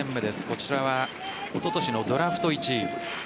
こちらはおととしのドラフト１位。